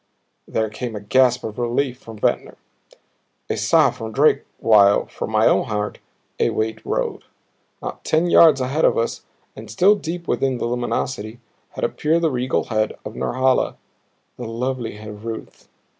There came a gasp of relief from Ventnor, a sigh from Drake while, from my own heart, a weight rolled. Not ten yards ahead of us and still deep within the luminosity had appeared the regal head of Norhala, the lovely head of Ruth.